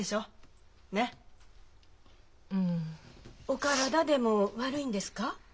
お体でも悪いんですか？